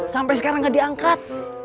sampai sekarang gak diangkat